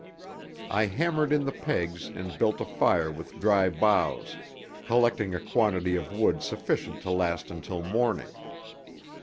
I hammered in the pegs and built a fire with dry boughs, collecting a quantity of wood sufficient to last until morning.